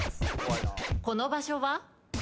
この場所は？